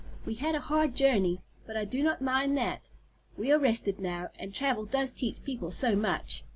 We had a hard journey, but I do not mind that. We are rested now, and travel does teach people so much.